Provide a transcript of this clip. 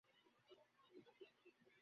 তিনি জন্ম দেন শাহযাদা ওরহানের।